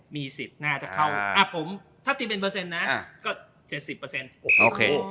มีสิทธิ์น่าจะเข้าผมถ้าตีเป็นเปอร์เซ็นต์นะก็๗๐โอเค